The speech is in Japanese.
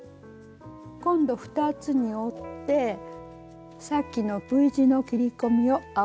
今度２つに折ってさっきのＶ字の切り込みを合わせてしっかり。